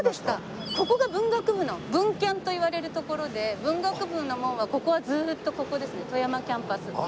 ここが文学部の文キャンと言われる所で文学部の門はここはずっとここですね戸山キャンパスの。